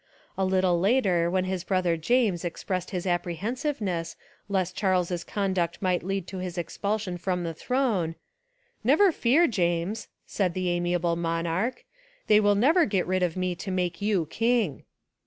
A lit tle later when his brother James expressed his apprehensiveness lest Charles's conduct might 277 Essays and Literary Studies lead to his expulsion from the throne, "Never fear, James," said the amiable monarch, "they will never get rid of me to make you king."